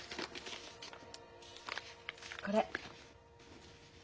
これ。